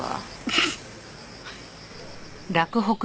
フフッ。